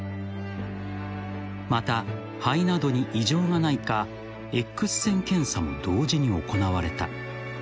［また肺などに異常がないかエックス線検査も同時に行われた］